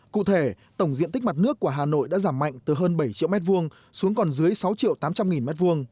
cụ thể tổng diện tích mặt nước của hà nội đã giảm mạnh từ hơn bảy triệu m hai xuống còn dưới sáu triệu tám trăm linh m hai